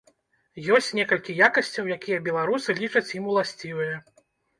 Ёсць некалькі якасцяў, якія беларусы лічаць ім уласцівыя.